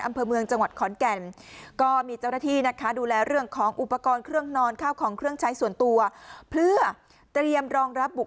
อำเภอเมืองจังหวัดข้อนแก่นก็มีเจ้าหน้าที่นะ